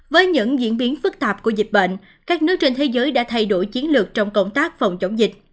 với những diễn biến phức tạp của dịch bệnh các nước trên thế giới đã thay đổi chiến lược trong công tác phòng chống dịch